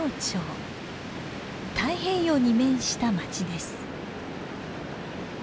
太平洋に面した町です。